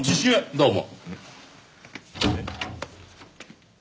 どうも。